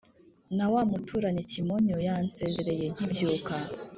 Na wa muturanyi Kimonyo yansezereye nkibyuka,